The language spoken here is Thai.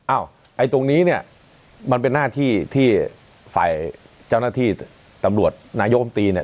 ไอ้ตรงนี้เนี่ยมันเป็นหน้าที่ที่ฝ่ายเจ้าหน้าที่ตำรวจนายกรรมตรีเนี่ย